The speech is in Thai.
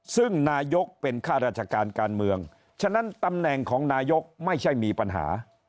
ซึ่งนายกเป็นข้าราชการการเมืองฉะนั้นตำแหน่งของนายกไม่ใช่มีปัญหา